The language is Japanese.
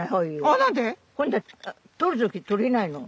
今度は取る時取れないの。